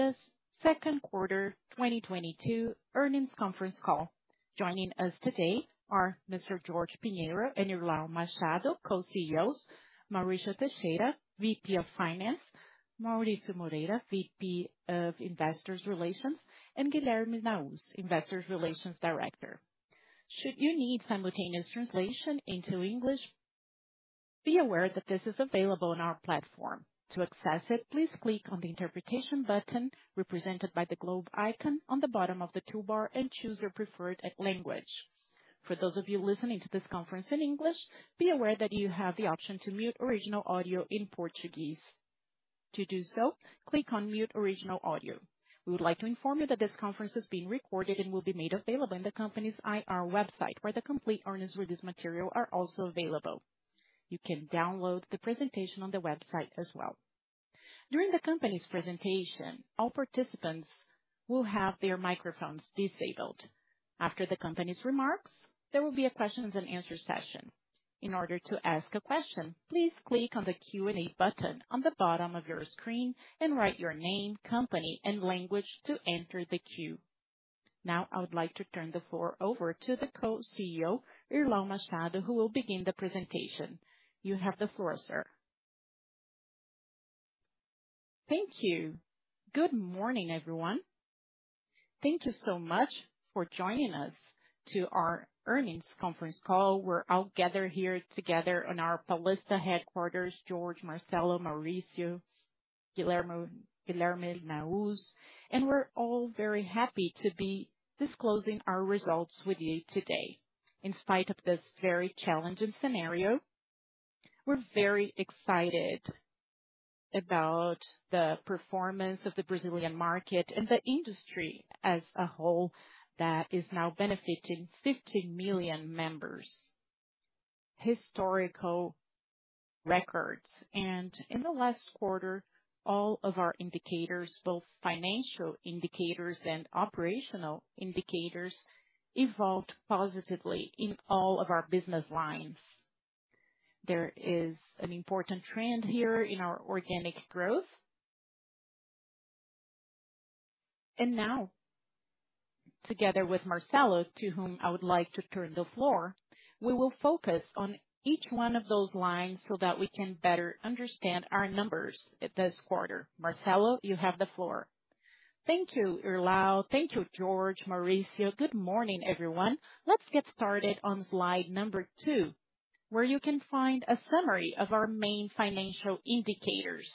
The second quarter 2022 earnings conference call. Joining us today are Mr. Jorge Pinheiro and Irlau Machado, co-CEOs, Mauricio Teixeira, VP of Finance, Marcelo Moreira, VP of Investor Relations, and Guilherme Nahuz, Investor Relations Director. Should you need simultaneous translation into English, be aware that this is available on our platform. To access it, please click on the Interpretation button, represented by the globe icon on the bottom of the toolbar, and choose your preferred language. For those of you listening to this conference in English, be aware that you have the option to mute original audio in Portuguese. To do so, click on Mute Original Audio. We would like to inform you that this conference is being recorded and will be made available on the company's IR website, where the complete earnings-related material are also available. You can download the presentation on the website as well. During the company's presentation, all participants will have their microphones disabled. After the company's remarks, there will be a question and answer session. In order to ask a question, please click on the Q&A button on the bottom of your screen and write your name, company, and language to enter the queue. Now, I would like to turn the floor over to the Co-CEO, Irlau Machado, who will begin the presentation. You have the floor, sir. Thank you. Good morning, everyone. Thank you so much for joining us to our earnings conference call. We're all gathered here together in our Paulista headquarters, Jorge, Marcelo, Mauricio, Guilherme Nahuz, and we're all very happy to be disclosing our results with you today. In spite of this very challenging scenario, we're very excited about the performance of the Brazilian market and the industry as a whole that is now benefiting 50 million members. Historical records. In the last quarter, all of our indicators, both financial indicators and operational indicators, evolved positively in all of our business lines. There is an important trend here in our organic growth. Now, together with Marcelo, to whom I would like to turn the floor, we will focus on each one of those lines so that we can better understand our numbers this quarter. Marcelo, you have the floor. Thank you, Irlau. Thank you, Jorge, Marcelo. Good morning, everyone. Let's get started on slide number 2, where you can find a summary of our main financial indicators.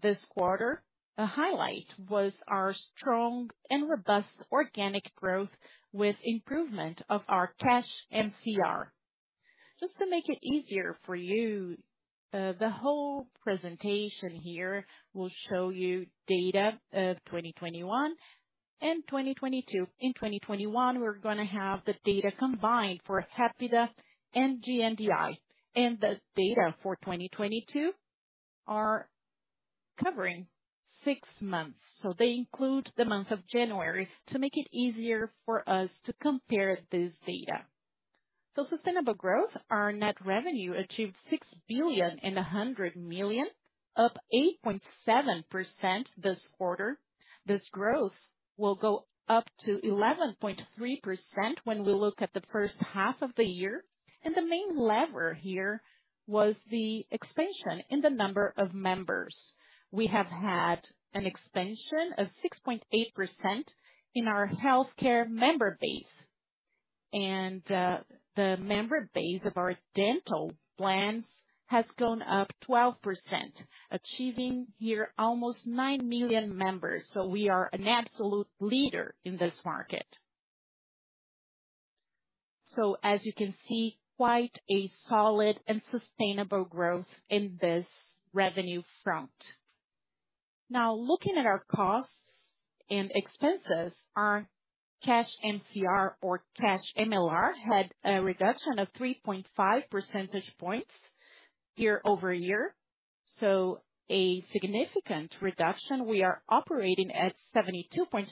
This quarter, the highlight was our strong and robust organic growth with improvement of our cash MCR. Just to make it easier for you, the whole presentation here will show you data of 2021 and 2022. In 2021, we're gonna have the data combined for Hapvida and GNDI. The data for 2022 are covering six months. They include the month of January to make it easier for us to compare this data. Sustainable growth. Our net revenue achieved 6.1 billion, up 8.7% this quarter. This growth will go up to 11.3% when we look at the first half of the year. The main lever here was the expansion in the number of members. We have had an expansion of 6.8% in our healthcare member base. The member base of our dental plans has gone up 12%, achieving here almost 9 million members. We are an absolute leader in this market. As you can see, quite a solid and sustainable growth in this revenue front. Looking at our costs and expenses, our cash MCR or cash MLR had a reduction of 3.5 percentage points year-over-year. A significant reduction. We are operating at 72.3%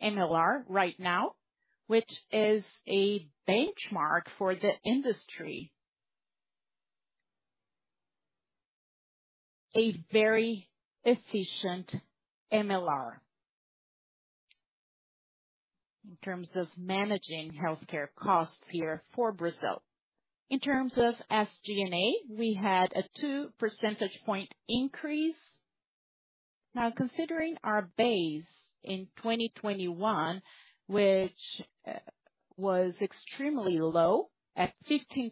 MLR right now, which is a benchmark for the industry. A very efficient MLR in terms of managing healthcare costs here for Brazil. In terms of SG&A, we had a 2 percentage point increase. Considering our base in 2021, which, was extremely low at 15%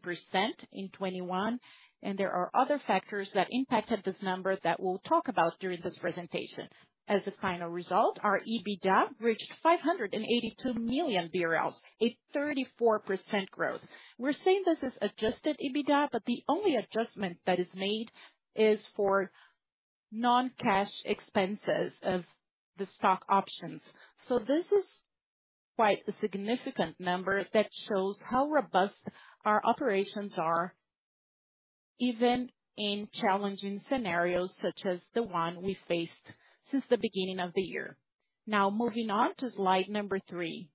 in twenty-one, and there are other factors that impacted this number that we'll talk about during this presentation. As a final result, our EBITDA reached 582 million BRL, a 34% growth. We're saying this is adjusted EBITDA, but the only adjustment that is made is for non-cash expenses of the stock options. This is quite a significant number that shows how robust our operations are, even in challenging scenarios such as the one we faced since the beginning of the year. Now, moving on to slide number 3.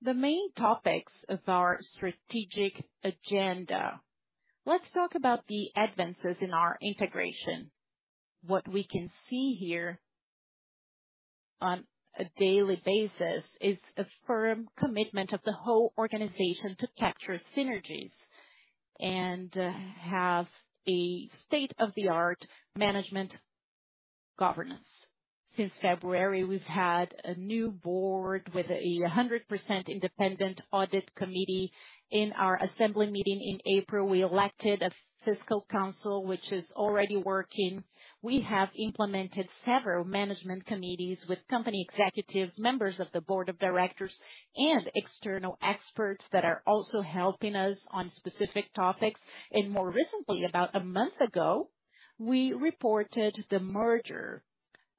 The main topics of our strategic agenda. Let's talk about the advances in our integration. What we can see here on a daily basis is a firm commitment of the whole organization to capture synergies and have a state-of-the-art management governance. Since February, we've had a new board with 100% independent audit committee. In our assembly meeting in April, we elected a fiscal council which is already working. We have implemented several management committees with company executives, members of the board of directors and external experts that are also helping us on specific topics. More recently, about a month ago, we reported the merger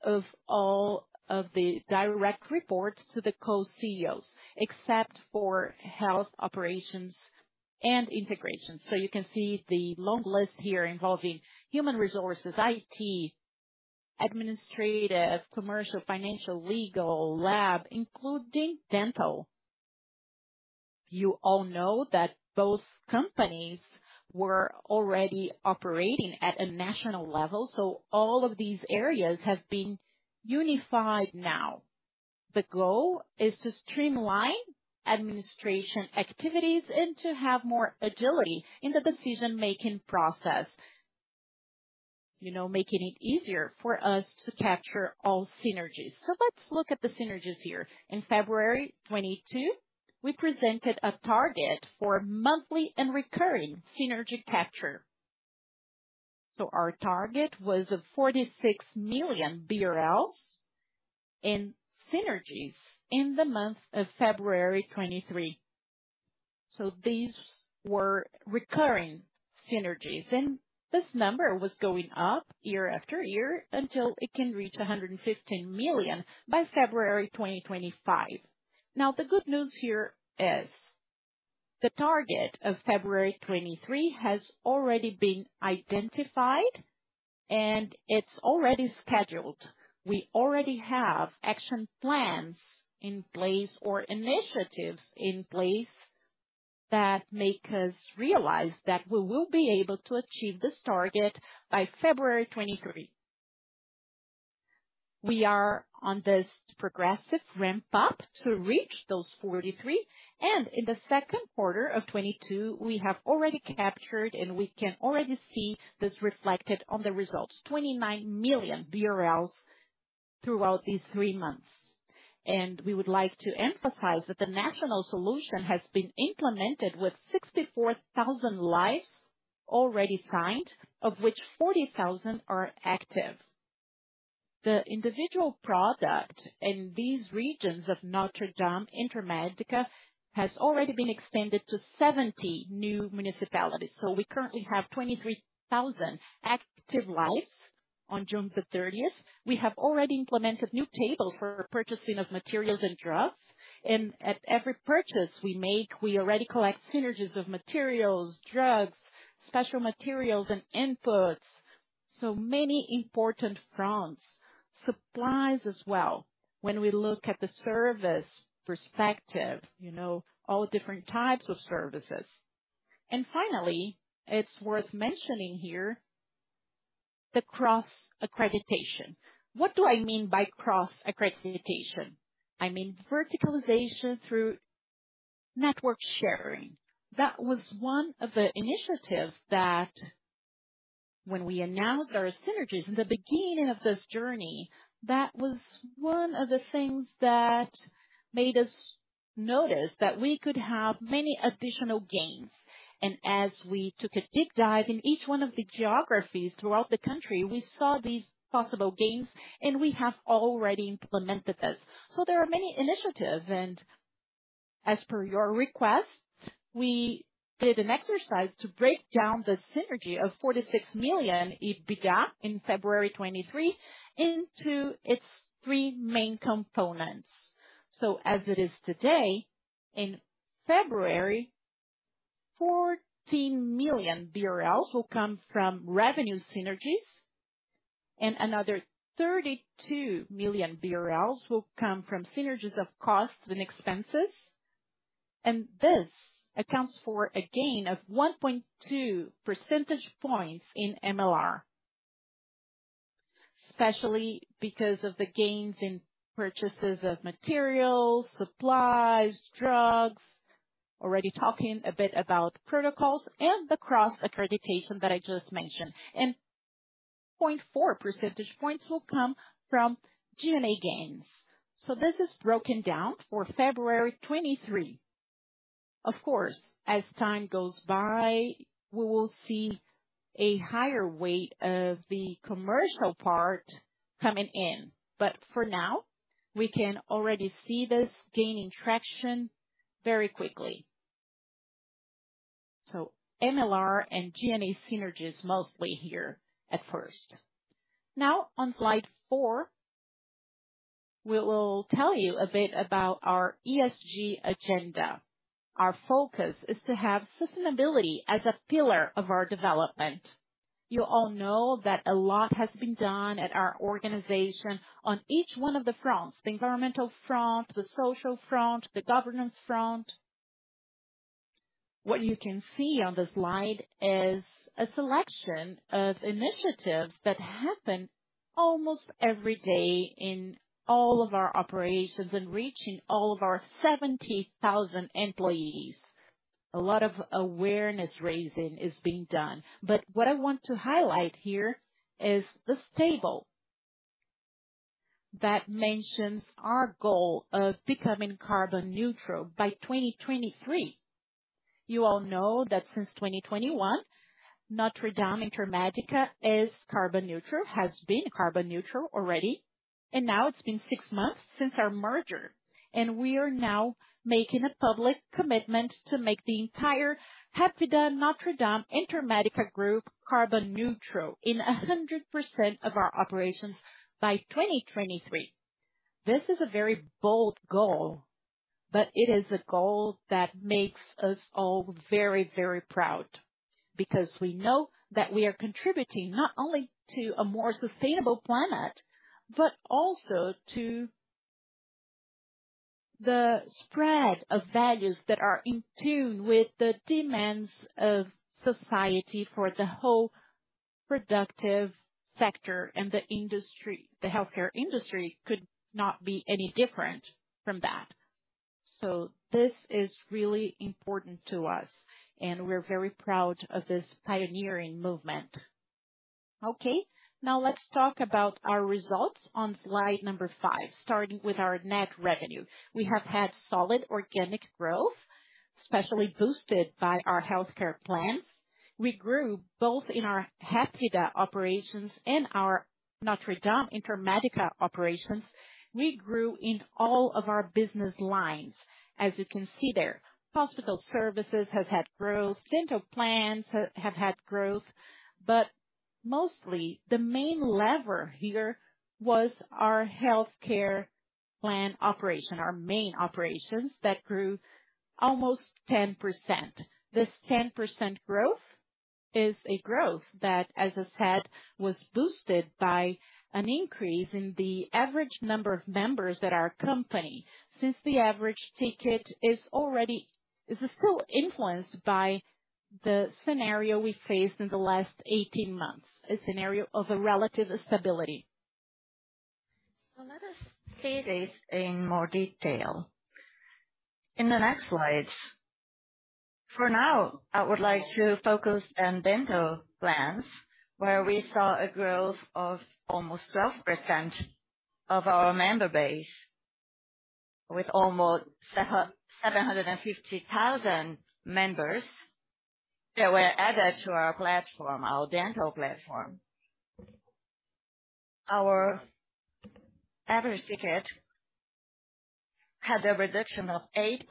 of all of the direct reports to the co-CEOs, except for health operations and integration. You can see the long list here involving human resources, IT, administrative, commercial, financial, legal, lab, including dental. You all know that both companies were already operating at a national level, so all of these areas have been unified now. The goal is to streamline administration activities and to have more agility in the decision-making process. Making it easier for us to capture all synergies. Let's look at the synergies here. In February 2022, we presented a target for monthly and recurring synergy capture. Our target was of 46 million BRL in synergies in the month of February 2023. These were recurring synergies. This number was going up year after year until it can reach 115 million by February 2025. Now, the good news here is the target of February 2023 has already been identified and it's already scheduled. We already have action plans in place or initiatives in place that make us realize that we will be able to achieve this target by February 2023. We are on this progressive ramp-up to reach those 43. In the second quarter of 2022, we have already captured, and we can already see this reflected on the results, 29 million BRL throughout these three months. We would like to emphasize that the national solution has been implemented with 64,000 lives already signed, of which 40,000 are active. The individual product in these regions of NotreDame Intermédica has already been extended to 70 new municipalities. We currently have 23,000 active lives on June 30. We have already implemented new tables for purchasing of materials and drugs. At every purchase we make, we already collect synergies of materials, drugs, special materials and inputs. Many important fronts. Supplies as well, when we look at the service perspective, you kn all different types of services. Finally, it's worth mentioning here the cross-accreditation. What do I mean by cross-accreditation? I mean verticalization through network sharing. That was one of the initiatives that when we announced our synergies in the beginning of this journey, that was one of the things that made us notice that we could have many additional gains. We took a deep dive in each one of the geographies throughout the country, we saw these possible gains, and we have already implemented this. There are many initiatives. As per your request, we did an exercise to break down the synergy of 46 million EBITDA in February 2023 into its three main components. As it is today, in February, 14 million BRL will come from revenue synergies and another 32 million BRL will come from synergies of costs and expenses. This accounts for a gain of 1.2 percentage points in MLR. Especially because of the gains in purchases of materials, supplies, drugs. Already talking a bit about protocols and the cross-accreditation that I just mentioned. 0.4 percentage points will come from G&A gains. This is broken down for February 2023. Of course, as time goes by, we will see a higher weight of the commercial part coming in, but for now, we can already see this gaining traction very quickly. MLR and G&A synergies mostly here at first. Now on slide 4, we will tell you a bit about our ESG agenda. Our focus is to have sustainability as a pillar of our development. You all know that a lot has been done at our organization on each one of the fronts, the environmental front, the social front, the governance front. What you can see on the slide is a selection of initiatives that happen almost every day in all of our operations in reaching all of our 70,000 employees. A lot of awareness raising is being done. What I want to highlight here is this table that mentions our goal of becoming carbon neutral by 2023. You all know that since 2021, NotreDame Intermédica is carbon neutral, has been carbon neutral already, and now it's been six months since our merger, and we are now making a public commitment to make the entire Hapvida NotreDame Intermédica group carbon neutral in 100% of our operations by 2023. This is a very bold goal, but it is a goal that makes us all very, very proud, because we know that we are contributing not only to a more sustainable planet, but also to the spread of values that are in tune with the demands of society for the whole productive sector and the industry. The healthcare industry could not be any different from that. This is really important to us and we're very proud of this pioneering movement. Okay. Now let's talk about our results on slide number 5, starting with our net revenue. We have had solid organic growth, especially boosted by our healthcare plans. We grew both in our Hapvida operations and our NotreDame Intermédica operations. We grew in all of our business lines. As you can see there, hospital services has had growth, dental plans have had growth. Mostly the main lever here was our healthcare plan operation, our main operations that grew almost 10%. This 10% growth is a growth that, as I said, was boosted by an increase in the average number of members at our company since the average ticket is still influenced by the scenario we faced in the last 18 months, a scenario of relative stability. Let us see this in more detail. In the next slides. For now, I would like to focus on dental plans, where we saw a growth of almost 12% of our member base with almost 750,000 members that were added to our platform, our dental platform. Our average ticket had a reduction of 8.6%.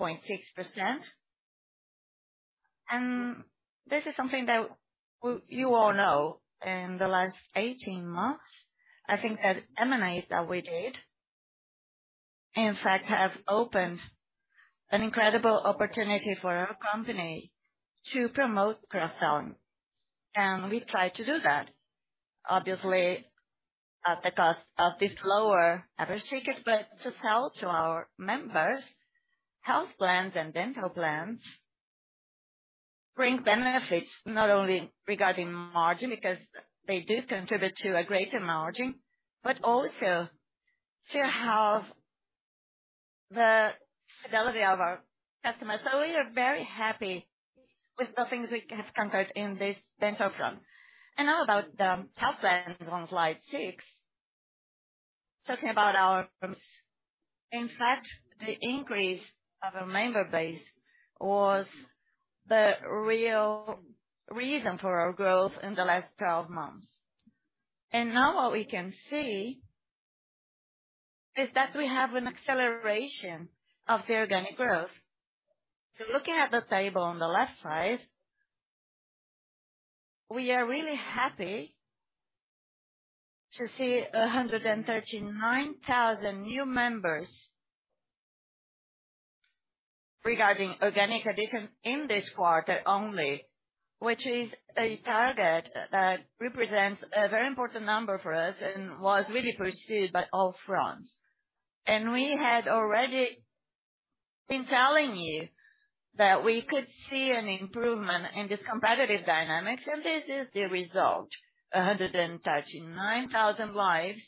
This is something that you all know, in the last 18 months, I think that M&As that we did in fact have opened an incredible opportunity for our company to promote cross-selling. We try to do that, obviously at the cost of this lower average ticket. To sell to our members health plans and dental plans brings benefits not only regarding margin, because they do contribute to a greater margin, but also to have the fidelity of our customers. We are very happy with the things we have conquered in this dental front. Now about the health plans on slide six. Talking about our in fact, the increase of our member base was the real reason for our growth in the last 12 months. Now what we can see is that we have an acceleration of the organic growth. Looking at the table on the left side, we are really happy to see 139,000 new members regarding organic addition in this quarter only, which is a target that represents a very important number for us and was really pursued by all fronts. We had already been telling you that we could see an improvement in this competitive dynamics. This is the result. 139,000 lives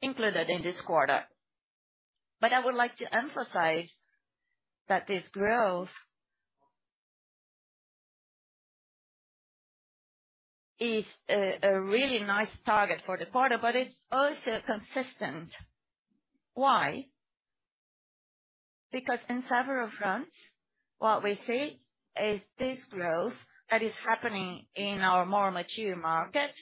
included in this quarter. I would like to emphasize that this growth is a really nice target for the quarter, but it's also consistent. Why? Because in several fronts, what we see is this growth that is happening in our more mature markets.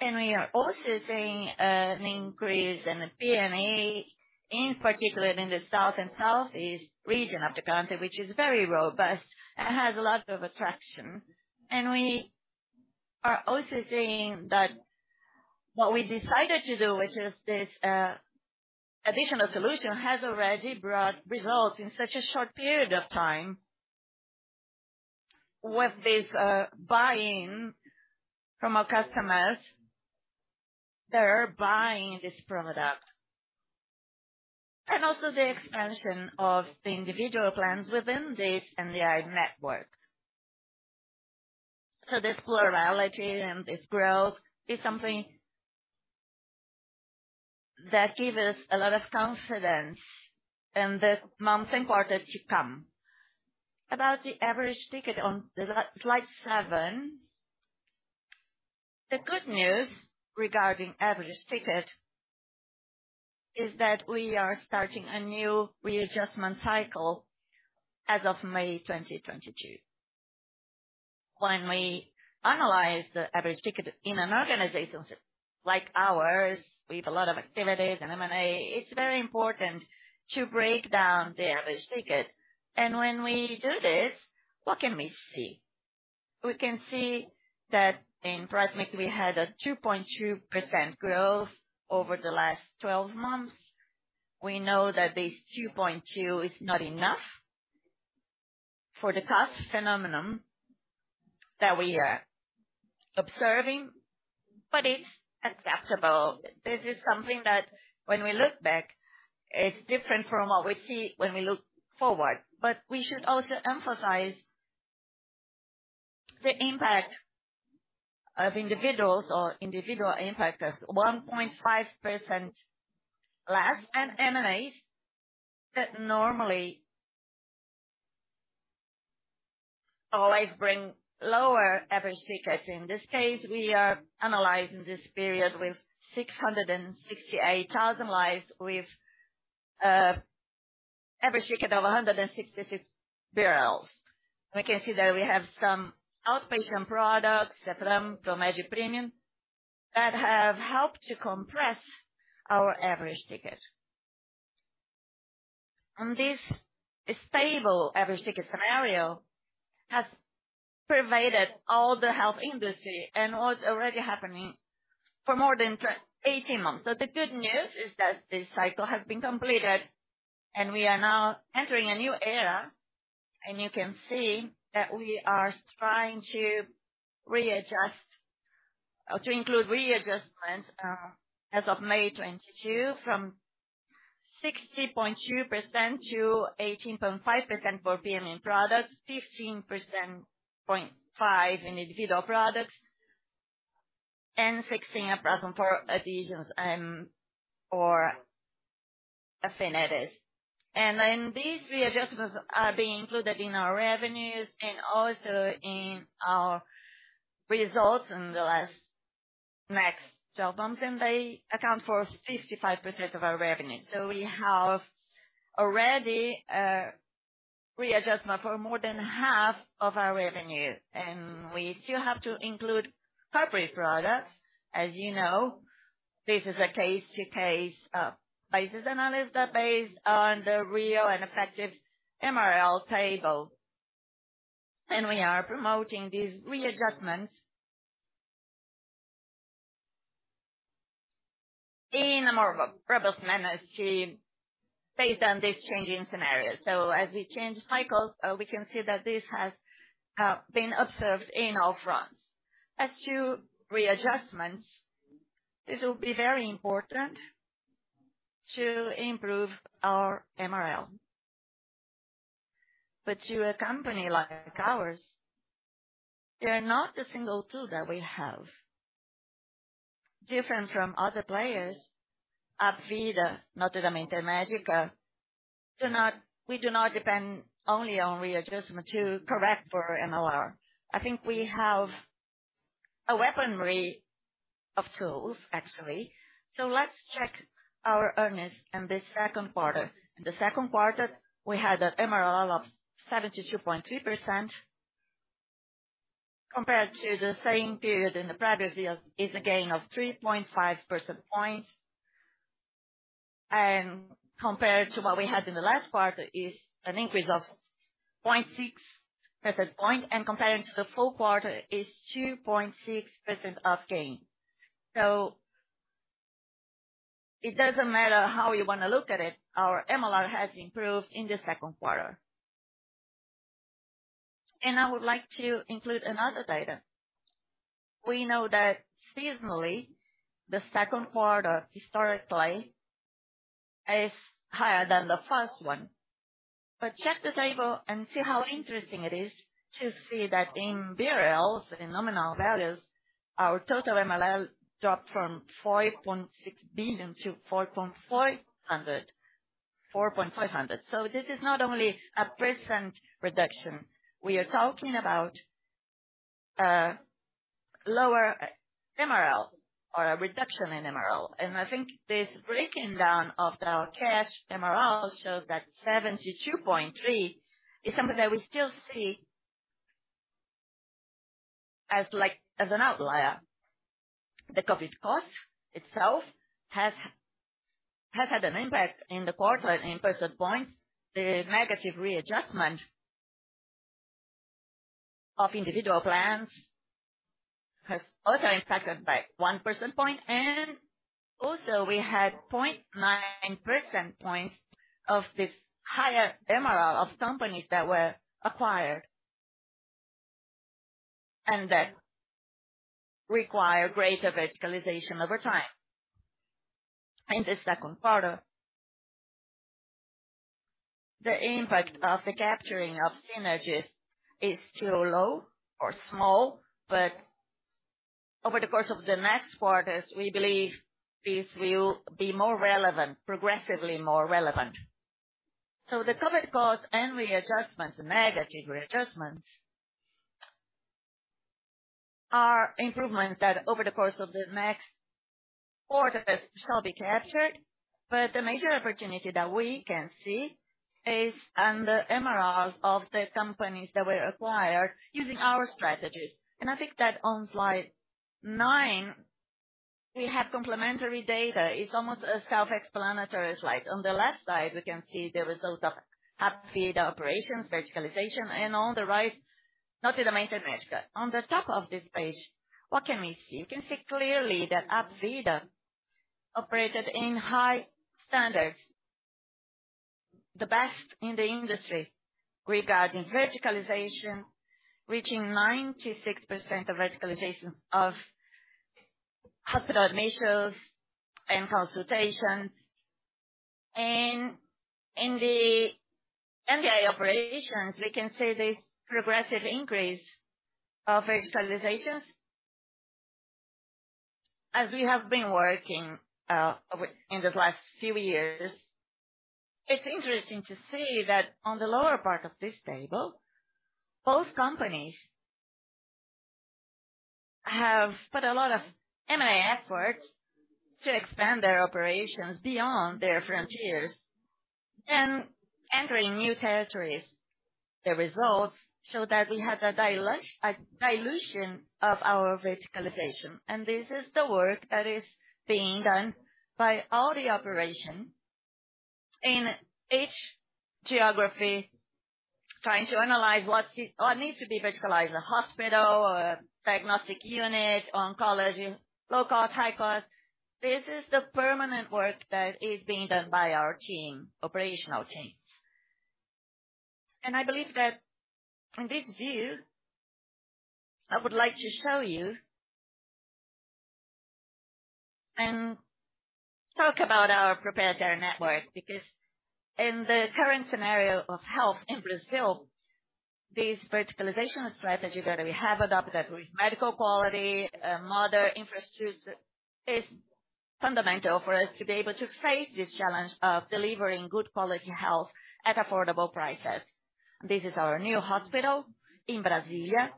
We are also seeing an increase in the PNA, in particular in the south and southeast region of the country, which is very robust and has a lot of attraction. We are also seeing what we decided to do, which is this additional solution, has already brought results in such a short period of time. With this buy-in from our customers, they're buying this product, and also the expansion of the individual plans within this NDI network. This plurality and this growth is something that give us a lot of confidence in the months and quarters to come. About the average ticket on slide seven. The good news regarding average ticket is that we are starting a new readjustment cycle as of May 2022. When we analyze the average ticket in an organization like ours, we have a lot of activities and M&A, it's very important to break down the average ticket. When we do this, what can we see? We can see that in price-mix, we had a 2.2% growth over the last 12 months. We know that this 2.2 is not enough for the cost phenomenon that we are observing, but it's acceptable. This is something that when we look back, it's different from what we see when we look forward. We should also emphasize the impact of individuals or individual impact as 1.5% less, and M&As that normally always bring lower average ticket. In this case, we are analyzing this period with 668,000 lives, with average ticket of 166. We can see that we have some outpatient products, Serpram, Promed Premium, that have helped to compress our average ticket. This stable average ticket scenario has pervaded all the health industry and was already happening for more than 18 months. The good news is that this cycle has been completed and we are now entering a new era. You can see that we are trying to include readjustment as of May 2022 from 60.2% to 18.5% for PME products, 15.5% in individual products, and 16% for adhesions or affinities. These readjustments are being included in our revenues and also in our results in the last next job bumps, and they account for 55% of our revenue. We have already a readjustment for more than half of our revenue, and we still have to include corporate products. As you know, this is a case-by-case basis analysis based on the real and effective MLR table. We are promoting these readjustments in a more robust manner, based on these changing scenarios. As we change cycles, we can see that this has been observed in all fronts. As to readjustments, this will be very important to improve our MLR. To a company like ours, they are not the single tool that we have. Different from other players, Hapvida, NotreDame Intermédica, do not depend only on readjustment to correct for MLR. I think we have a weaponry of tools, actually. Let's check our earnings in this second quarter. In the second quarter, we had an MLR of 72.3% compared to the same period in the previous year is a gain of 3.5 percentage points. Compared to what we had in the last quarter is an increase of 0.6 percentage points, and comparing to the full quarter is 2.6 percentage points of gain. It doesn't matter how you wanna look at it, our MLR has improved in the second quarter. I would like to include another data. We know that seasonally, the second quarter historically is higher than the first one. Check this table and see how interesting it is to see that in BRL, in nominal values, our total MLR dropped from 4.6 billion to 4.5 billion. This is not only a percent reduction. We are talking about lower MLR or a reduction in MLR. I think this breaking down of our cash MLR shows that 72.3 is something that we still see as like an outlier. The COVID cost itself has had an impact in the quarter in 1 percentage point. The negative readjustment of individual plans has also impacted by 1 percentage point. We also had 0.9 percentage points of this higher MLR of companies that were acquired. That requires greater verticalization over time. In the second quarter, the impact of the capturing of synergies is still low or small, but over the course of the next quarters, we believe this will be more relevant, progressively more relevant. The COVID costs and readjustments, negative readjustments are improvements that over the course of the next quarters shall be captured. The major opportunity that we can see is on the MLRs of the companies that were acquired using our strategies. I think that on slide nine we have complementary data. It's almost a self-explanatory slide. On the left side, we can see the result of Hapvida operations verticalization, and on the right, NotreDame vertical. On the top of this page, what can we see? We can see clearly that Hapvida operated in high standards, the best in the industry regarding verticalization, reaching 96% of verticalizations of hospital admissions and consultations. In the NDI operations, we can see this progressive increase of verticalizations as we have been working in the last few years. It's interesting to see that on the lower part of this table, both companies have put a lot of M&A efforts to expand their operations beyond their frontiers and entering new territories. The results show that we have a dilution of our verticalization. This is the work that is being done by all the operations in each geography, trying to analyze what needs to be verticalized, a hospital, a diagnostic unit, oncology, low cost, high cost. This is the permanent work that is being done by our team, operational teams. I believe that in this view, I would like to show you and talk about our proprietary network, because in the current scenario of health in Brazil, this verticalization strategy that we have adopted with medical quality, modern infrastructure is fundamental for us to be able to face this challenge of delivering good quality health at affordable prices. This is our new hospital in Brasília.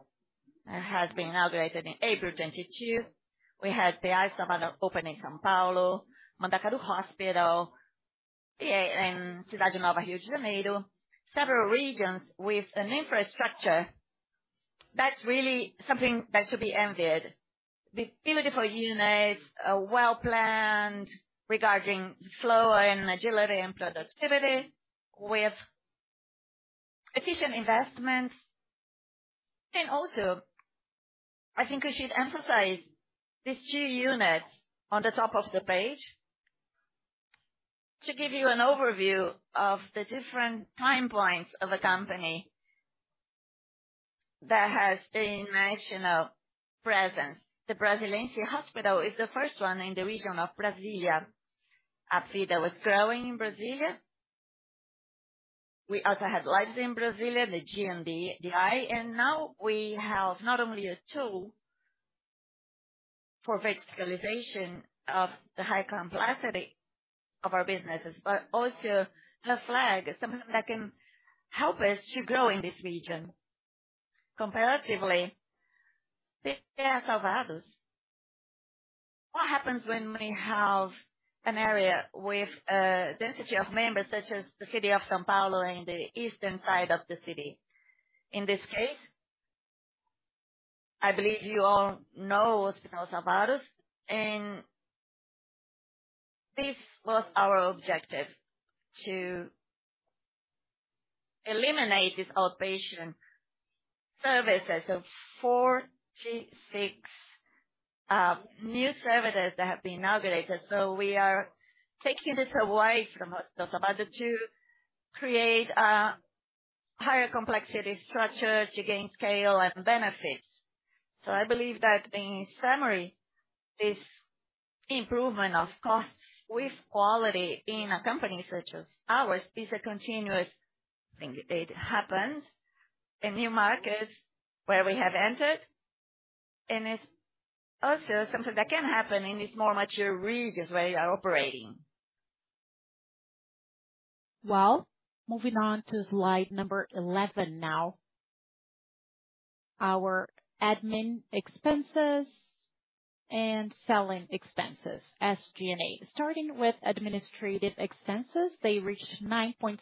It has been inaugurated in April 2022. We had P.A. Salvador open in São Paulo, Hospital Mandacaru, PA in Cidade Nova, Rio de Janeiro. Several regions with an infrastructure that's really something that should be envied. With beautiful units, well-planned regarding flow and agility and productivity with efficient investments. I think we should emphasize these two units on the top of the page to give you an overview of the different time points of a company that has a national presence. The Hospital Brasília is the first one in the region of Brasília. Hapvida was growing in Brasília. We also had lives in Brasília, the GNDI. Now we have not only a tool for verticalization of the high complexity of our businesses, but also a flag, something that can help us to grow in this region. Comparatively, P.A. Salvador. What happens when we have an area with a density of members such as the city of São Paulo in the eastern side of the city? In this case, I believe you all know Hospital Salvador, and this was our objective to eliminate this outpatient services of 46 new services that have been inaugurated. We are taking this away from Hospital Salvador to create a higher complexity structure to gain scale and benefits. I believe that in summary, this improvement of costs with quality in a company such as ours is a continuous thing. It happens in new markets where we have entered, and it's also something that can happen in these more mature regions where we are operating. Well, moving on to slide number 11 now. Our admin expenses and selling expenses, SG&A. Starting with administrative expenses, they reached 9.6%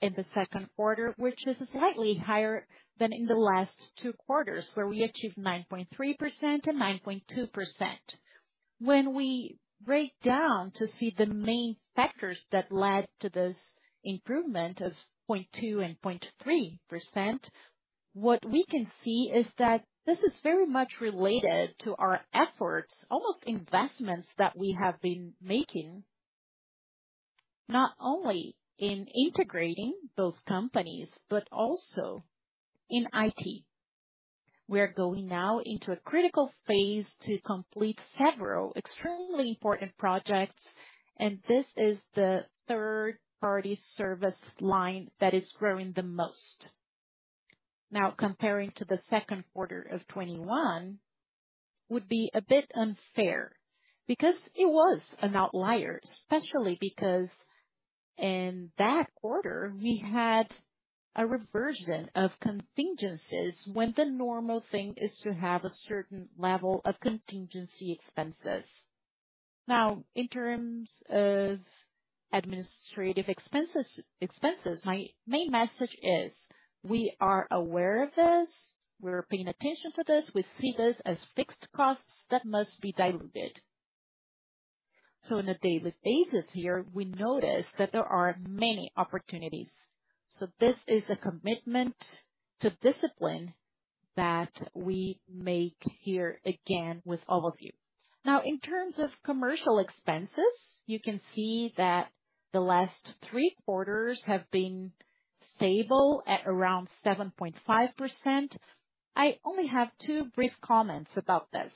in the second quarter, which is slightly higher than in the last two quarters, where we achieved 9.3% and 9.2%. When we break down to see the main factors that led to this improvement of 0.2% and 0.3%, what we can see is that this is very much related to our efforts, almost investments that we have been making, not only in integrating those companies, but also in IT. We are going now into a critical phase to complete several extremely important projects, and this is the third-party service line that is growing the most. Now, comparing to the second quarter of 2021 would be a bit unfair because it was an outlier, especially because in that quarter we had a reversion of contingencies when the normal thing is to have a certain level of contingency expenses. Now, in terms of administrative expenses, my main message is. We are aware of this. We're paying attention to this. We see this as fixed costs that must be diluted. On a daily basis here, we notice that there are many opportunities. This is a commitment to discipline that we make here, again, with all of you. Now, in terms of commercial expenses, you can see that the last three quarters have been stable at around 7.5%. I only have two brief comments about this.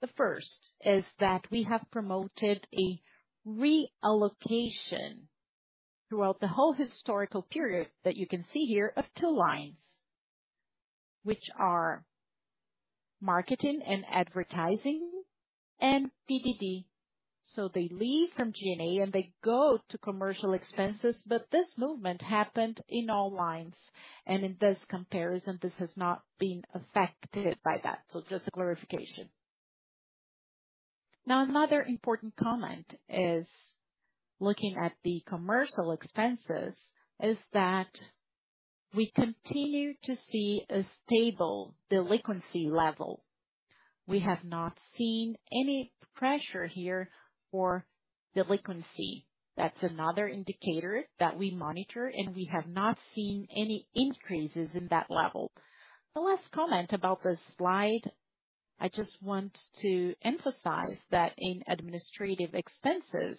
The first is that we have promoted a reallocation throughout the whole historical period that you can see here of two lines, which are marketing and advertising and PDD. They leave from G&A and they go to commercial expenses. This movement happened in all lines, and in this comparison, this has not been affected by that. Just a clarification. Now, another important comment is looking at the commercial expenses is that we continue to see a stable delinquency level. We have not seen any pressure here for delinquency. That's another indicator that we monitor, and we have not seen any increases in that level. The last comment about this slide, I just want to emphasize that in administrative expenses,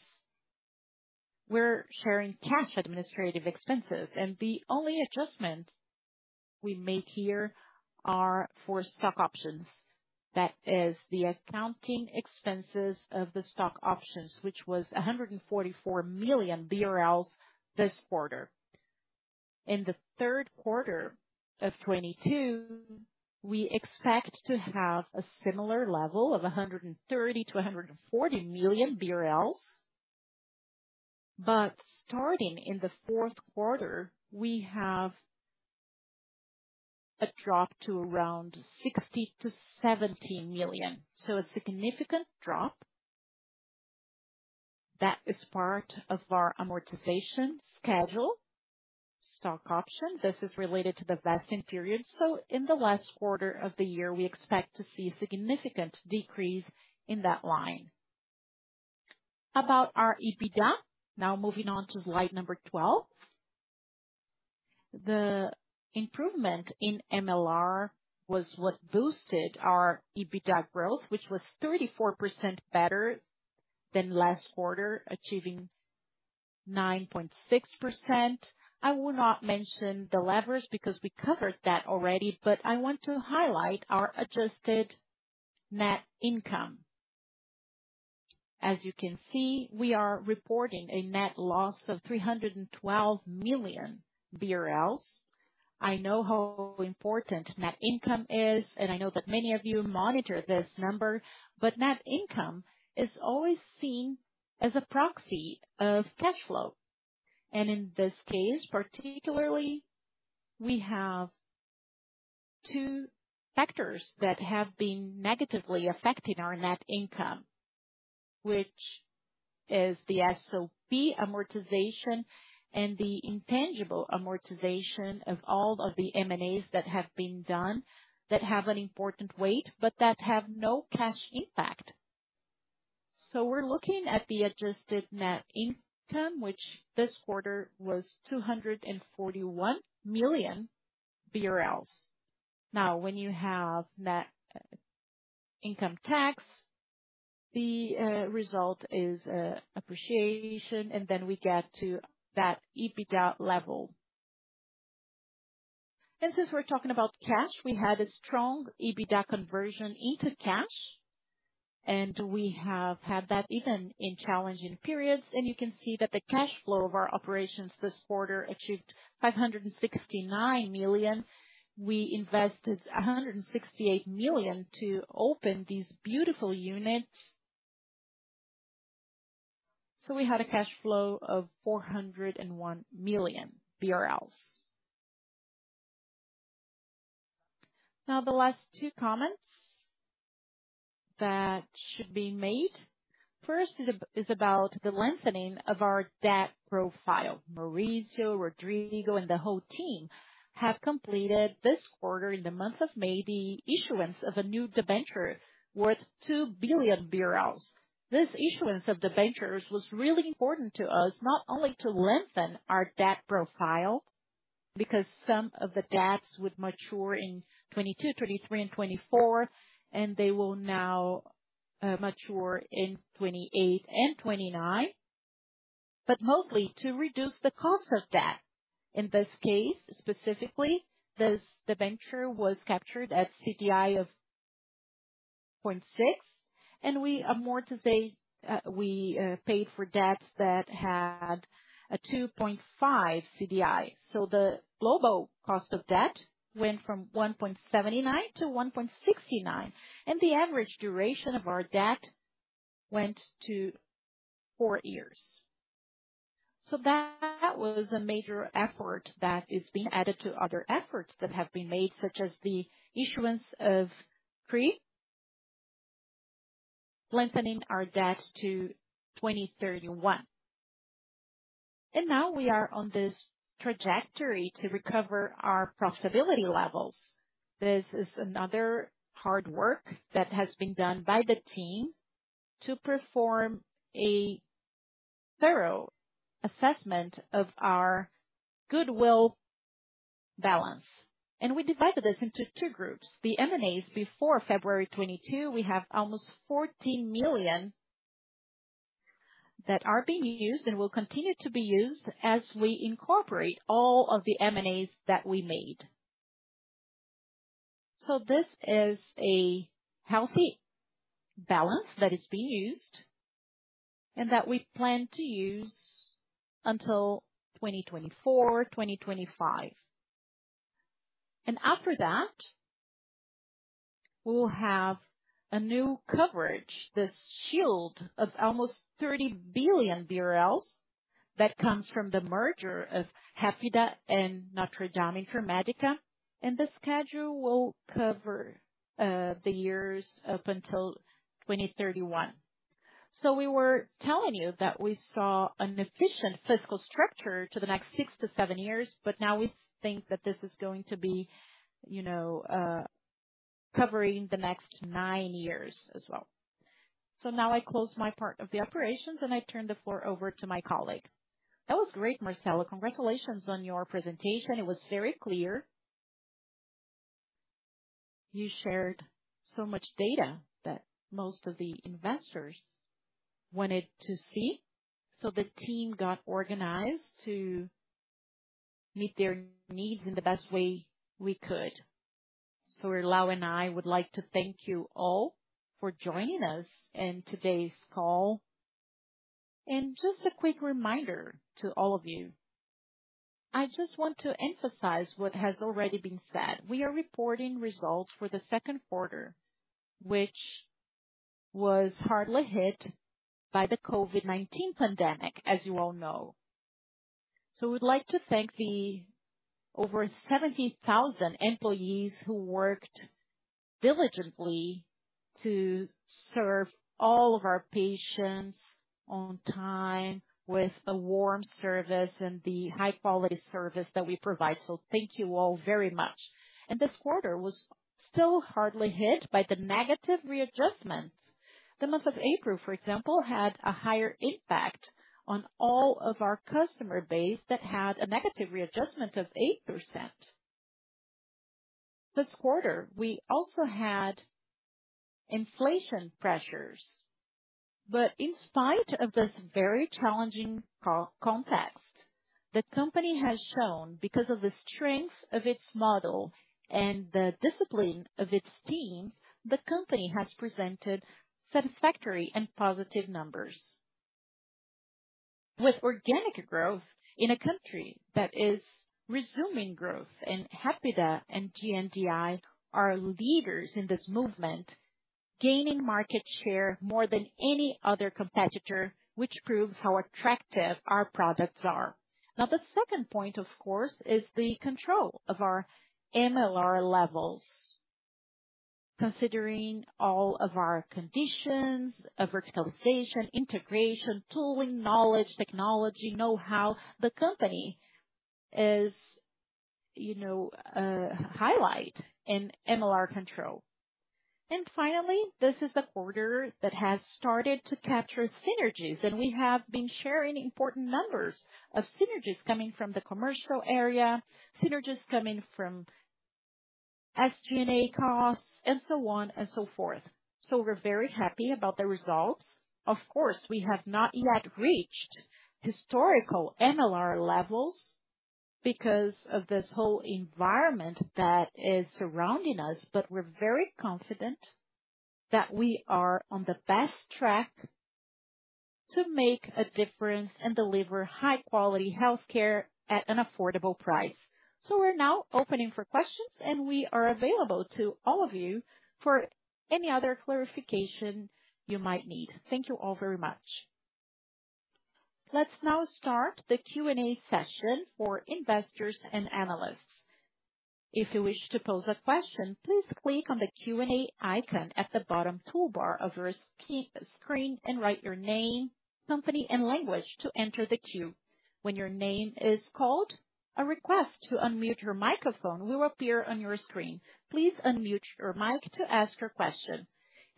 we're showing cash administrative expenses, and the only adjustment we make here are for stock options. That is the accounting expenses of the stock options, which was 144 million BRL this quarter. In the third quarter of 2022, we expect to have a similar level of 130 million-140 million BRL. Starting in the fourth quarter, we have a drop to around 60 million-70 million. A significant drop. That is part of our amortization schedule, stock option. This is related to the vesting period. In the last quarter of the year, we expect to see a significant decrease in that line. About our EBITDA. Now moving on to slide number 12. The improvement in MLR was what boosted our EBITDA growth, which was 34% better than last quarter, achieving 9.6%. I will not mention the leverage because we covered that already, but I want to highlight our adjusted net income. As you can see, we are reporting a net loss of 312 million BRL. I know how important net income is, and I know that many of you monitor this number, but net income is always seen as a proxy of cash flow. In this case, particularly, we have two factors that have been negatively affecting our net income, which is the SOP amortization and the intangible amortization of all of the M&As that have been done that have an important weight, but that have no cash impact. We're looking at the adjusted net income, which this quarter was 241 million BRL. Now, when you have net income tax, the result is depreciation, and then we get to that EBITDA level. Since we're talking about cash, we had a strong EBITDA conversion into cash, and we have had that even in challenging periods. You can see that the cash flow of our operations this quarter achieved 569 million. We invested 168 million to open these beautiful units. We had a cash flow of 401 million BRL. Now, the last two comments that should be made. First is about the lengthening of our debt profile. Mauricio, Rodrigo, and the whole team have completed this quarter, in the month of May, the issuance of a new debenture worth 2 billion BRL. This issuance of debentures was really important to us, not only to lengthen our debt profile, because some of the debts would mature in 2022, 2023 and 2024, and they will now mature in 2028 and 2029, but mostly to reduce the cost of debt. In this case, specifically, this debenture was captured at CDI of 0.6, and we paid for debts that had a 2.5 CDI. The global cost of debt went from 1.79 to 1.69, and the average duration of our debt went to 4 years. That was a major effort that is being added to other efforts that have been made, such as the issuance of CRI, lengthening our debt to 2031. Now we are on this trajectory to recover our profitability levels. This is another hard work that has been done by the team to perform a thorough assessment of our goodwill balance. We divided this into two groups. The M&As before February 2022, we have almost 14 million that are being used and will continue to be used as we incorporate all of the M&As that we made. This is a healthy balance that is being used and that we plan to use until 2024, 2025. After that, we'll have a new coverage, this shield of almost 30 billion BRL that comes from the merger of Hapvida and NotreDame Intermédica. The schedule will cover the years up until 2031. We were telling you that we saw an efficient fiscal structure to the next 6-7 years, but now we think that this is going to be, you know, covering the next 9 years as well. Now I close my part of the operations, and I turn the floor over to my colleague. That was great, Marcelo. Congratulations on your presentation. It was very clear. You shared so much data that most of the investors wanted to see. The team got organized to meet their needs in the best way we could. Lau and I would like to thank you all for joining us in today's call. Just a quick reminder to all of you, I just want to emphasize what has already been said. We are reporting results for the second quarter, which was hard hit by the COVID-19 pandemic, as you all know. We'd like to thank the over 70,000 employees who worked diligently to serve all of our patients on time with a warm service and the high quality service that we provide. Thank you all very much. This quarter was still hard hit by the negative readjustments. The month of April, for example, had a higher impact on all of our customer base that had a negative readjustment of 8%. This quarter, we also had inflation pressures. In spite of this very challenging context, the company has shown, because of the strength of its model and the discipline of its teams, the company has presented satisfactory and positive numbers. With organic growth in a country that is resuming growth, and Hapvida and GNDI are leaders in this movement, gaining market share more than any other competitor, which proves how attractive our products are. Now, the second point, of course, is the control of our MLR levels. Considering all of our conditions, a verticalization, integration, tooling, knowledge, technology, know-how, the company is, you know, highlighted in MLR control. Finally, this is a quarter that has started to capture synergies, and we have been sharing important numbers of synergies coming from the commercial area, synergies coming from SG&A costs, and so on and so forth. We're very happy about the results. Of course, we have not yet reached historical MLR levels because of this whole environment that is surrounding us, but we're very confident that we are on the best track to make a difference and deliver high quality healthcare at an affordable price. We're now opening for questions, and we are available to all of you for any other clarification you might need. Thank you all very much. Let's now start the Q&A session for investors and analysts. If you wish to pose a question, please click on the Q&A icon at the bottom toolbar of your screen and write your name, company, and language to enter the queue. When your name is called, a request to unmute your microphone will appear on your screen. Please unmute your mic to ask your question,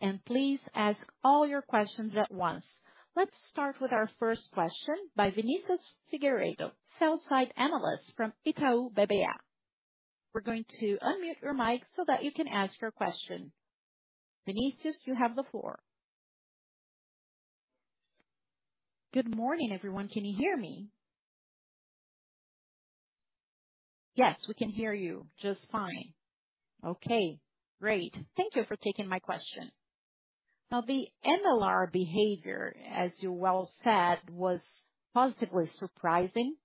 and please ask all your questions at once. Let's start with our first question by Vinicius Figueiredo, sell-side analyst from Itaú BBA. We're going to unmute your mic so that you can ask your question. Vinicius, you have the floor. Good morning, everyone. Can you hear me? Yes, we can hear you just fine. Okay, great. Thank you for taking my question. Now, the MLR behavior, as you well said, was positively surprising,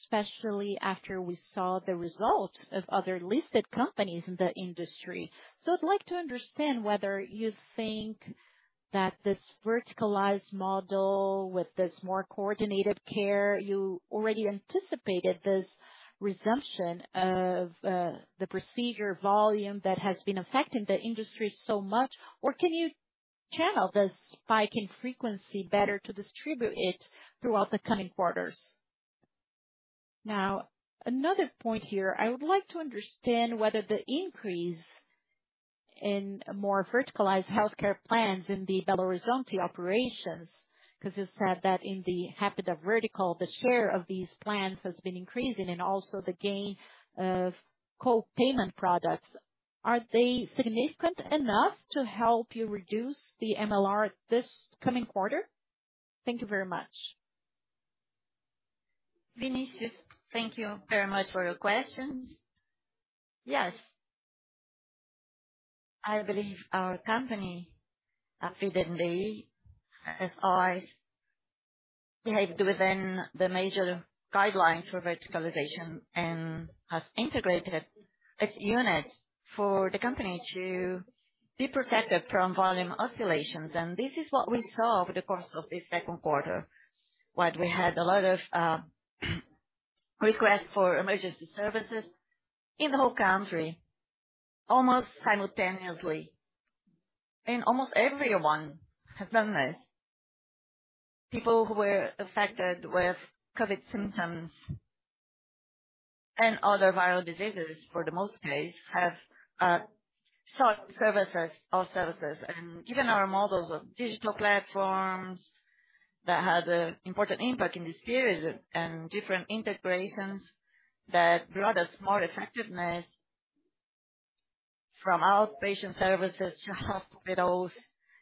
especially after we saw the results of other listed companies in the industry. I'd like to understand whether you think that this verticalized model with this more coordinated care, you already anticipated this resumption of, the procedure volume that has been affecting the industry so much. Or can you channel this spike in frequency better to distribute it throughout the coming quarters? Now, another point here. I would like to understand whether the increase in more verticalized healthcare plans in the Belo Horizonte operations, 'cause you said that in the Hapvida vertical, the share of these plans has been increasing and also the gain of co-payment products. Are they significant enough to help you reduce the MLR this coming quarter? Thank you very much. Vinicius, thank you very much for your questions. Yes. I believe our company, Hapvida, as always, behaved within the major guidelines for verticalization and has integrated its units for the company to be protected from volume oscillations. This is what we saw over the course of this second quarter. While we had a lot of requests for emergency services in the whole country, almost simultaneously, and almost everyone have done this. People who were affected with COVID symptoms and other viral diseases, for the most part, have sought services, our services. Given our models of digital platforms that had an important impact in this period and different integrations that brought us more effectiveness from outpatient services to hospitals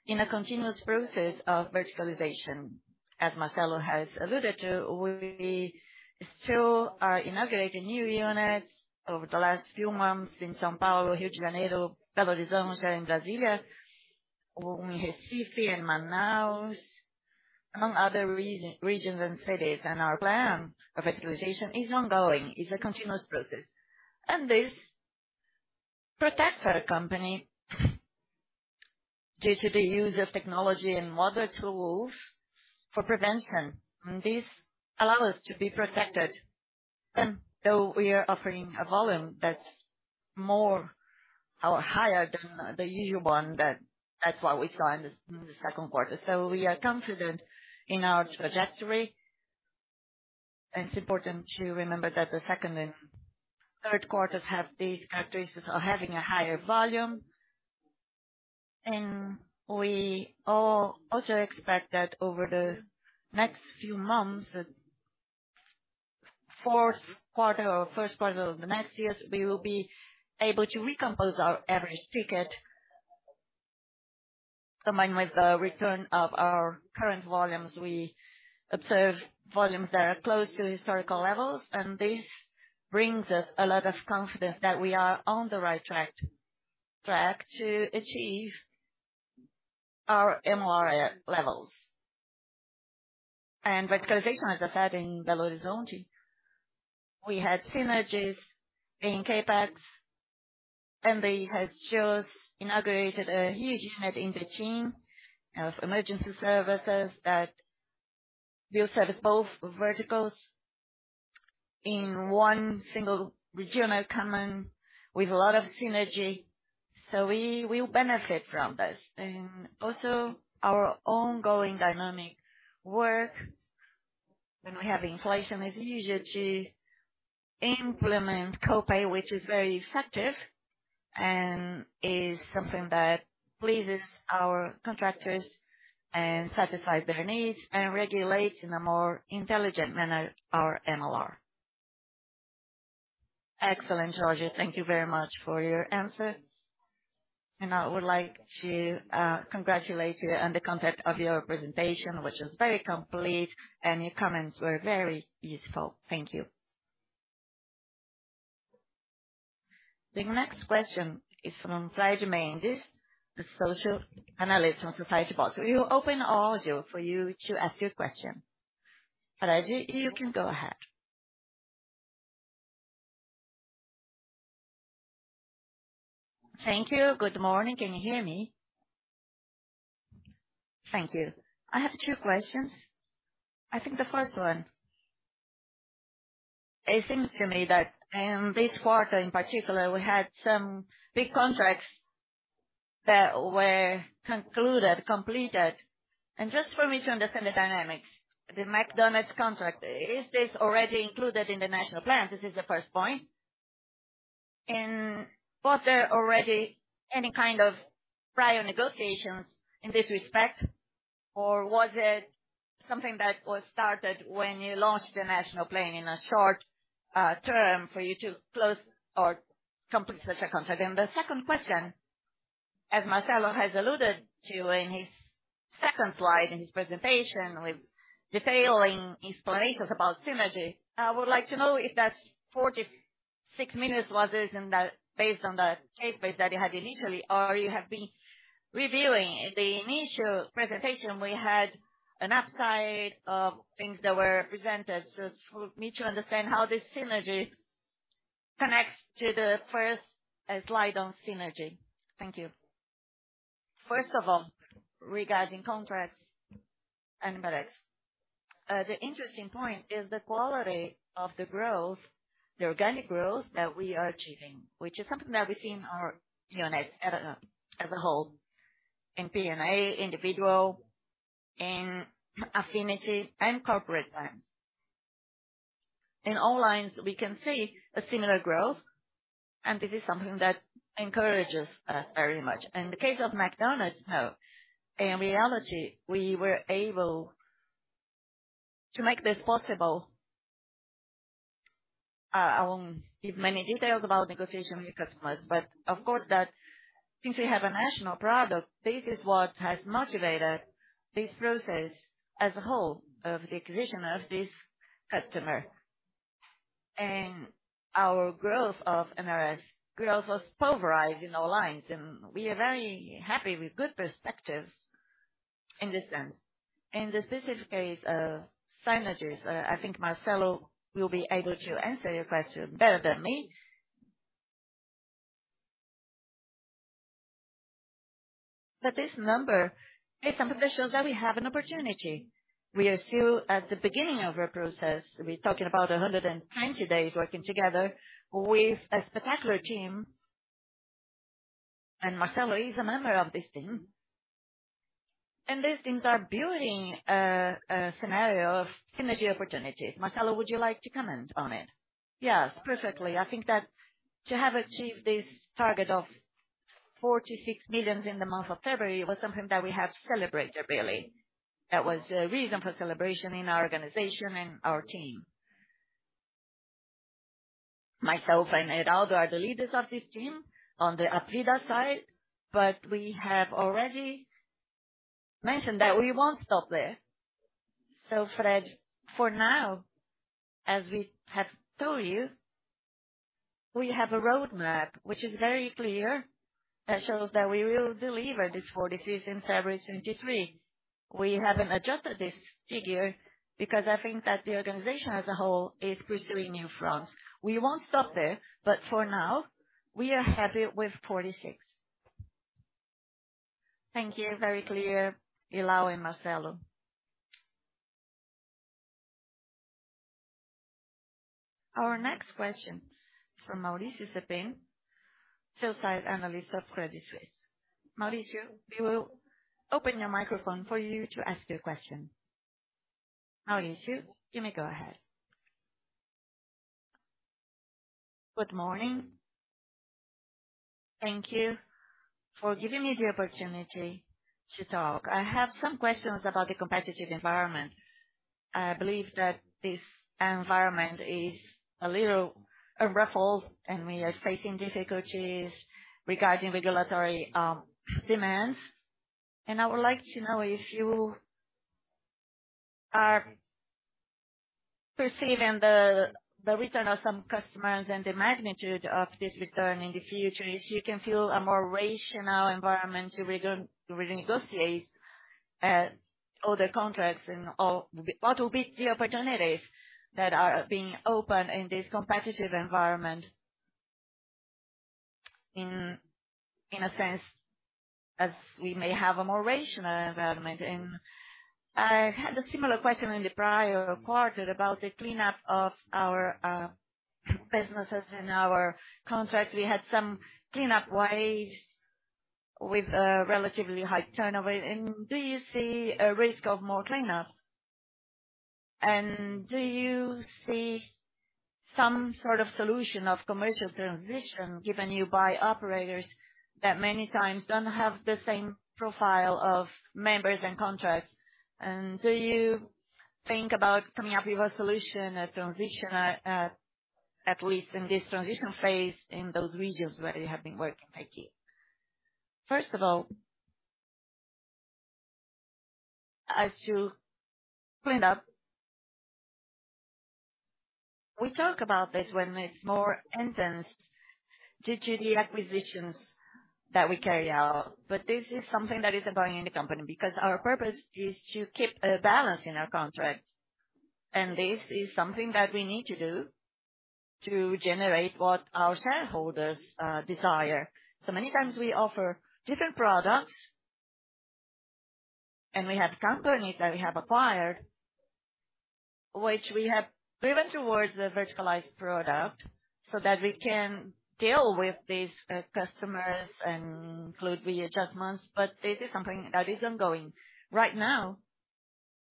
in a continuous process of verticalization. As Marcelo has alluded to, we still are inaugurating new units over the last few months in São Paulo, Rio de Janeiro, Belo Horizonte, and Brasília, or in Recife and Manaus, among other regions and cities. Our plan of verticalization is ongoing. It's a continuous process. This protects our company due to the use of technology and modern tools for prevention. This allow us to be protected, even though we are offering a volume that's more or higher than the usual one, that's what we saw in the second quarter. We are confident in our trajectory. It's important to remember that the second and third quarters have these characteristics of having a higher volume. We also expect that over the next few months, fourth quarter or first quarter of the next years, we will be able to recompose our average ticket. Combined with the return of our current volumes, we observe volumes that are close to historical levels, and this brings us a lot of confidence that we are on the right track to achieve our MLR levels. Verticalization, as I said, in Belo Horizonte, we had synergies in CapEx, and they have just inaugurated a huge unit in Betim of emergency services that will service both verticals in one single regional command with a lot of synergy. We will benefit from this. Our ongoing dynamic work when we have inflation, as usual, to implement co-pay, which is very effective and is something that pleases our contractors and satisfies their needs and regulates, in a more intelligent manner, our MLR. Excellent, Jorge. Thank you very much for your answer. I would like to congratulate you on the content of your presentation, which was very complete, and your comments were very useful. Thank you. The next question is from Fred Mendes, Analyst from Bank of America. We will open audio for you to ask your question. Fred, you can go ahead. Thank you. Good morning. Can you hear me? Thank you. I have two questions. I think the first one, it seems to me that in this quarter in particular, we had some big contracts that were concluded, completed. Just for me to understand the dynamics, the McDonald's contract, is this already included in the national plan? This is the first point. Was there already any kind of prior negotiations in this respect? Or was it something that was started when you launched the national plan in a short term for you to close or complete the second contract? The second question, as Marcelo has alluded to in his second slide in his presentation with detailed explanations about synergy, I would like to know if that 46 million was based on the base case that you had initially or you have been reviewing. In the initial presentation, we had an upside of things that were presented. For me to understand how this synergy connects to the first slide on synergy. Thank you. First of all, regarding contracts. The interesting point is the quality of the growth, the organic growth that we are achieving, which is something that we see in our operations as a whole, in PNA, individual, in affinity and corporate plans. In all lines we can see a similar growth and this is something that encourages us very much. In the case of McDonald's, though, in reality we were able to make this possible. I won't give many details about negotiation with customers, but of course that since we have a national product, this is what has motivated this process as a whole of the acquisition of this customer. Our growth of MCR growth was pulverized in all lines and we are very happy with good perspectives in this sense. In the specific case of synergies, I think Marcelo will be able to answer your question better than me. This number is something that shows that we have an opportunity. We assume at the beginning of our process, we're talking about 190 days working together with a spectacular team. Marcelo is a member of this team. These teams are building a scenario of synergy opportunities. Marcelo, would you like to comment on it? Yes, perfectly. I think that to have achieved this target of 46 million in the month of February was something that we have celebrated really. That was a reason for celebration in our organization and our team. Myself and Irlau Machado are the leaders of this team on the Hapvida side, but we have already mentioned that we won't stop there. Fred, for now, as we have told you, we have a roadmap which is very clear, that shows that we will deliver this 46 in February 2023. We haven't adjusted this figure because I think that the organization as a whole is pursuing new fronts. We won't stop there, but for now we are happy with 46. Thank you. Very clear, Irlau and Marcelo. Our next question from Mauricio Cepeda, sell-side analyst of Credit Suisse. Mauricio, we will open your microphone for you to ask your question. Mauricio, you may go ahead. Good morning. Thank you for giving me the opportunity to talk. I have some questions about the competitive environment. I believe that this environment is a little ruffled and we are facing difficulties regarding regulatory demands. I would like to know if you are perceiving the return of some customers and the magnitude of this return in the future. If you can feel a more rational environment to renegotiate all the contracts and all what will be the opportunities that are being opened in this competitive environment. In a sense, as we may have a more rational environment. I had a similar question in the prior quarter about the cleanup of our businesses and our contracts. We had some cleanup waves with a relatively high turnover. Do you see a risk of more cleanup? Do you see some sort of solution of commercial transition given you by operators that many times don't have the same profile of members and contracts? Do you think about coming up with a solution, a transition, at least in this transition phase in those regions where you have been working, maybe? First of all, as you point out, we talk about this when it's more intense due to the acquisitions that we carry out. This is something that is ongoing in the company because our purpose is to keep a balance in our contracts. This is something that we need to do to generate what our shareholders desire. Many times we offer different products, and we have companies that we have acquired, which we have driven towards the verticalized product so that we can deal with these customers and include the adjustments. This is something that is ongoing. Right now,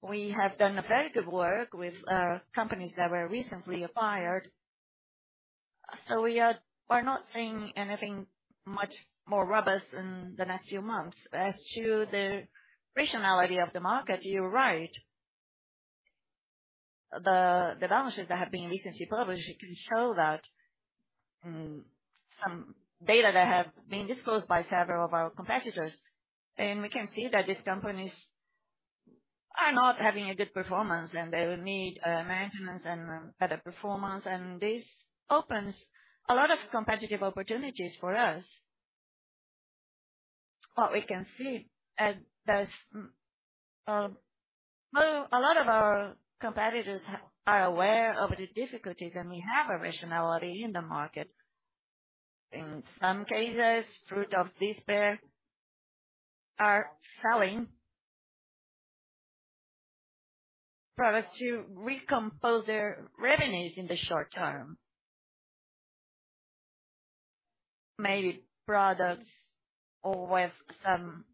we have done a very good work with companies that were recently acquired, so we are not seeing anything much more robust in the next few months. As to the rationality of the market, you're right. The balance sheets that have been recently published can show that some data that have been disclosed by several of our competitors, and we can see that these companies are not having a good performance, and they will need management and better performance. This opens a lot of competitive opportunities for us. What we can see is there's, well, a lot of our competitors are aware of the difficulties, and we have a rationality in the market. In some cases, out of despair are selling products to recompose their revenues in the short term. Maybe products with some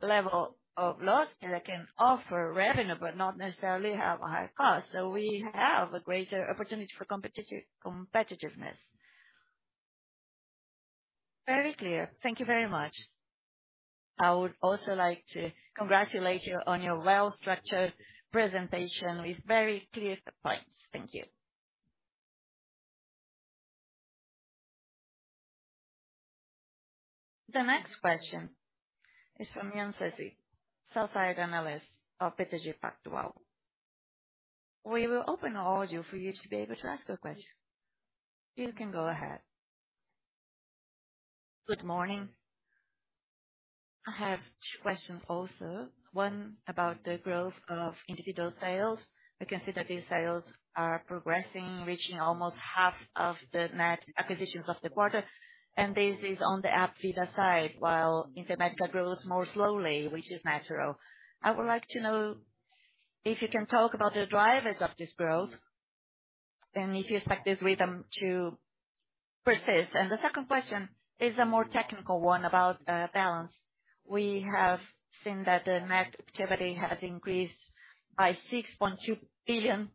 level of loss that can offer revenue but not necessarily have a high cost. We have a greater opportunity for competitiveness. Very clear. Thank you very much. I would also like to congratulate you on your well-structured presentation with very clear points. Thank you. The next question is from Joseph Giordano, sell-side analyst of J.P. Morgan. We will open the audio for you to be able to ask your question. You can go ahead. Good morning. I have two questions also. One, about the growth of individual sales. I can see that these sales are progressing, reaching almost half of the net acquisitions of the quarter, and this is on the Hapvida side, while Intermédica grows more slowly, which is natural. I would like to know if you can talk about the drivers of this growth and if you expect this rhythm to persist. The second question is a more technical one about balance. We have seen that the net activity has increased by 6.2 billion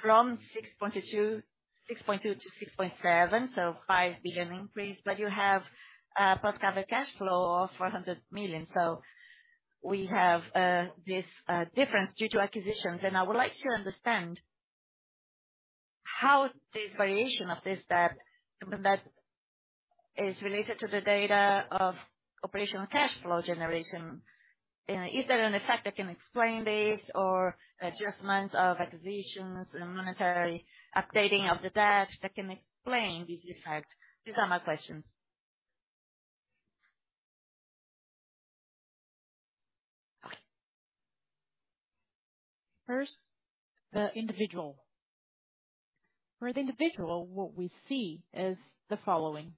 from 6.2 to 6.7, so 5 billion increase. But you have plus capital cash flow of 400 million. So we have this difference due to acquisitions. I would like to understand how this variation of this debt, something that is related to the data of operational cash flow generation. Is there an effect that can explain this or adjustments of acquisitions or monetary updating of the debt that can explain this effect? These are my questions. Okay. First, the individual. For the individual, what we see is the following.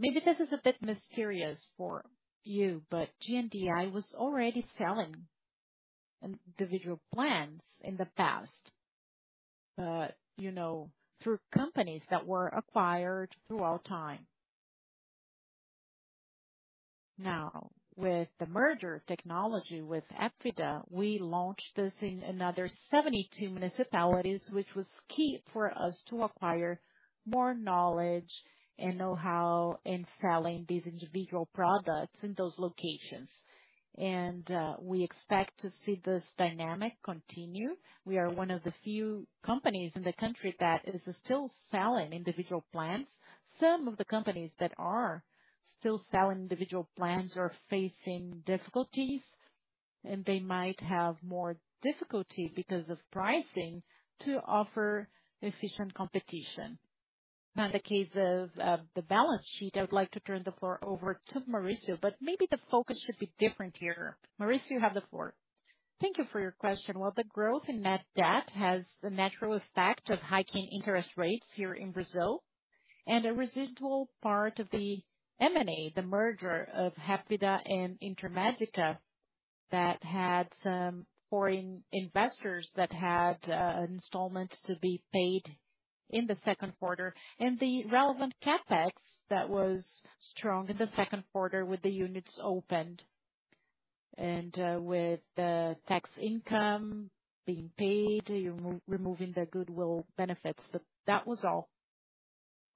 Maybe this is a bit mysterious for you, but GNDI was already selling individual plans in the past, but, you know, through companies that were acquired over time. Now, with the merger, together with Hapvida, we launched this in another 72 municipalities, which was key for us to acquire more knowledge and know-how in selling these individual products in those locations. We expect to see this dynamic continue. We are one of the few companies in the country that is still selling individual plans. Some of the companies that are still selling individual plans are facing difficulties, and they might have more difficulty because of pricing to offer efficient competition. Now, the case of the balance sheet, I would like to turn the floor over to Mauricio, but maybe the focus should be different here. Mauricio, you have the floor. Thank you for your question. Well, the growth in net debt has a natural effect of hiking interest rates here in Brazil, and a residual part of the M&A, the merger of Hapvida and NotreDame Intermédica, that had some foreign investors that had installments to be paid in the second quarter. The relevant CapEx that was strong in the second quarter with the units opened. With the tax income being paid, you're removing the goodwill benefits. That was all.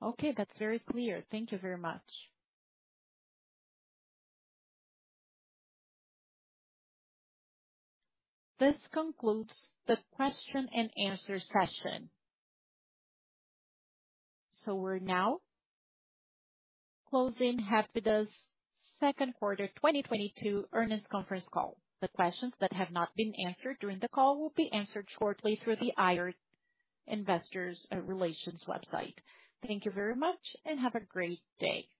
Okay. That's very clear. Thank you very much. This concludes the question and answer session. We're now closing Hapvida's second quarter 2022 earnings conference call. The questions that have not been answered during the call will be answered shortly through the IR investors relations website. Thank you very much and have a great day.